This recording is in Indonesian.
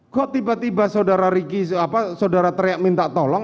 kok tiba tiba saudara triak minta tolong